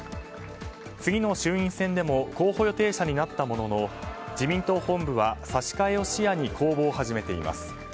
次の衆院選でも候補予定者になったものの自民党本部は、差し替えを視野に公募を始めています。